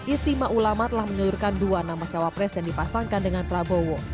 istimewa ulama telah menyeluruhkan dua nama cawapres yang dipasangkan dengan prabowo